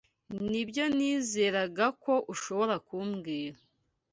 Nibyo nizeraga ko ushobora kumbwira.